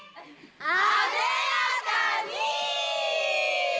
艶やかに！